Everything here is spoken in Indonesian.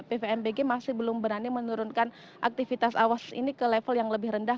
pvmbg masih belum berani menurunkan aktivitas awas ini ke level yang lebih rendah